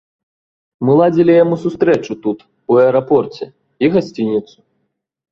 Мы ладзілі яму сустрэчу тут, у аэрапорце, і гасцініцу.